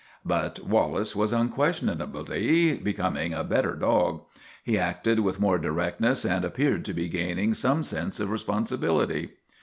But \Vallace was unquestionably becoming a bet ter dog. He acted with more directness and ap peared to be gaining some sense of responsibility.